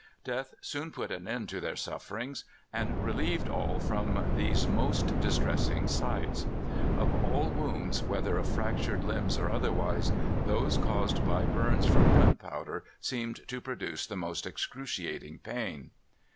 Death soon put an end to their sufferings, and relieved all from these most distressing sights. Of all wounds, whether of fractured limbs or otherwise, those caused by burns from gunpowder seemed to produce the most excruciating pain.